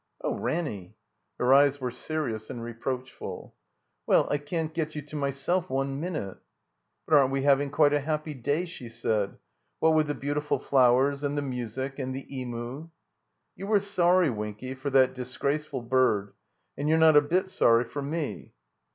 "Oh, Ranny!" Her eyes were serious and re proachful. " Well — I can't get you to myself one min ute." "But aren't we having quite a happy day?" she said. "What with the beautiful flowers and the music and the Emu —" "You were sorry, Winky, for that disgraceful bird, and you're not a bit sorry for me."